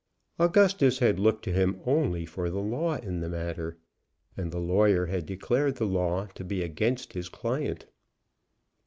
Augustus had looked to him only for the law in the matter, and the lawyer had declared the law to be against his client.